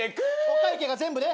お会計が全部で。